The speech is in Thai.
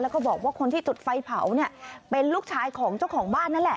แล้วก็บอกว่าคนที่จุดไฟเผาเนี่ยเป็นลูกชายของเจ้าของบ้านนั่นแหละ